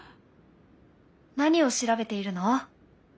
何を調べているの？